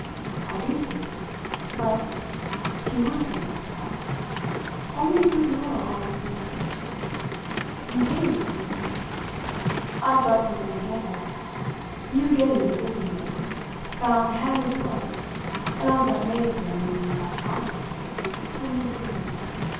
"I do see. But" he would come back to that "only through your having seen first. You gave me the pieces. I've but put them together. You gave me the Brissendens bound hand and foot; and I've but made them, in that sorry state, pull me through.